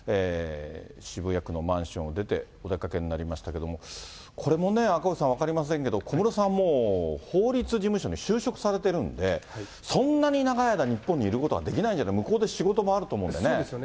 渋谷区のマンションを出て、お出かけになりましたけれども、これもね、赤星さん分かりませんけど、小室さんはもう法律事務所に就職されてるんで、そんなに長い間、日本にいることはできない、そうですよね。